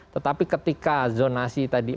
tetapi ketika zonasi tadi